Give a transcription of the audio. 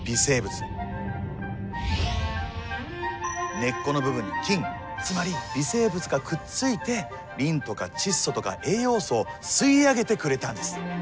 根っこの部分に菌つまり微生物がくっついてリンとか窒素とか栄養素を吸い上げてくれたんです。